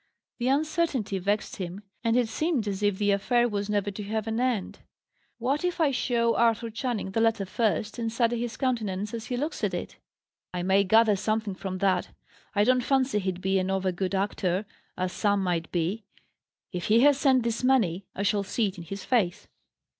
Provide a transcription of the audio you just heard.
The uncertainty vexed him, and it seemed as if the affair was never to have an end. "What, if I show Arthur Channing the letter first, and study his countenance as he looks at it? I may gather something from that. I don't fancy he'd be an over good actor, as some might be. If he has sent this money, I shall see it in his face."